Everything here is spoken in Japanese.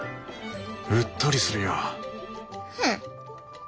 うっとりするよ。